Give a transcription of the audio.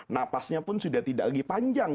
napasnya pun sudah tidak lagi panjang